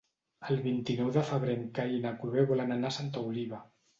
El vint-i-nou de febrer en Cai i na Cloè volen anar a Santa Oliva.